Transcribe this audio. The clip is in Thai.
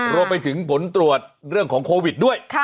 รวมไปถึงผลตรวจเรื่องของโควิดด้วย